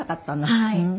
はい。